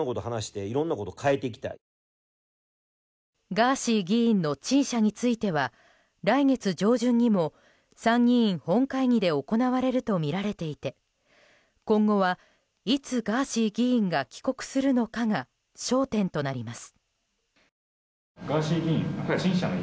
ガーシー議員の陳謝については来月上旬にも参議院本会議で行われるとみられていて今後はいつガーシー議員が帰国するのかが焦点となります。